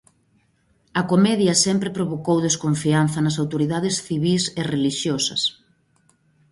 A comedia sempre provocou desconfianza nas autoridades civís e relixiosas.